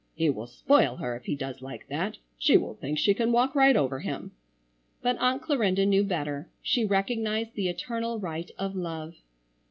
"He will spoil her if he does like that. She will think she can walk right over him." But Aunt Clarinda knew better. She recognized the eternal right of love.